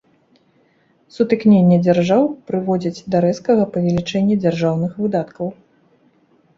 Сутыкненне дзяржаў прыводзяць да рэзкага павелічэння дзяржаўных выдаткаў.